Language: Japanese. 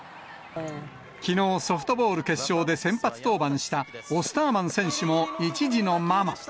きのう、ソフトボール決勝で先発登板したオスターマン選手も１児のママ。